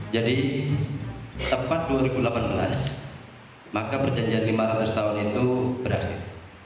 jadi tepat dua ribu delapan belas maka perjanjian lima ratus tahun itu berakhir